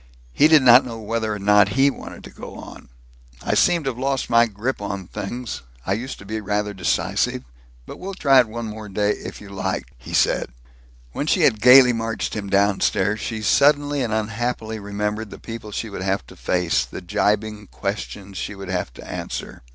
He did not know whether or not he wanted to go on. "I seem to have lost my grip on things. I used to be rather decisive. But we'll try it one more day, if you like," he said. When she had gaily marched him downstairs, she suddenly and unhappily remembered the people she would have to face, the gibing questions she would have to answer.